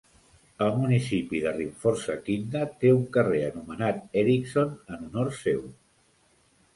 El municipi de Rimforsa Kinda té un carrer anomenat Eriksson en honor seu.